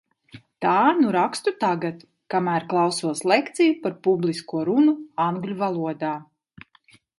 Tā nu rakstu tagad - kamēr klausos lekciju par publisko runu angļu valodā.